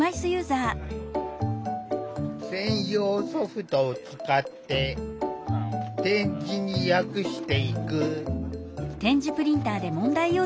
専用ソフトを使って点字に訳していく。